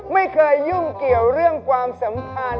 ไม่เคยยุ่งเกี่ยวเรื่องความสัมพันธ์